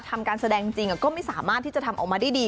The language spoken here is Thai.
ทำการแสดงจริงก็ไม่สามารถที่จะทำออกมาได้ดี